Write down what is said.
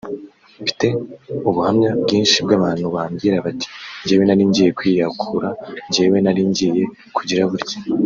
mfite ubuhamya bwinshi bw’abantu bambwira bati ‘njyewe nari ngiye kwiyakura; njyewe nari ngiye kugira gutya